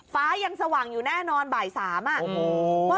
ฟ้ายังสว่างอยู่แน่นอนบ่าย๓น่ะโอ้โฮโอ้โฮ